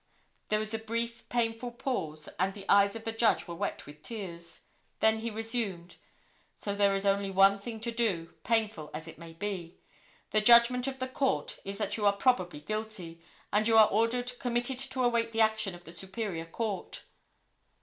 There was a brief, painful pause, and the eyes of the Judge were wet with tears. Then he resumed: "So there is only one thing to do, painful as it may be—the judgment of the Court is that you are probably guilty, and you are ordered committed to await the action of the Superior Court."